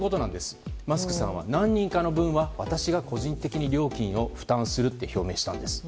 マスクさんは何人かの分は個人的に料金を負担すると表明したんです。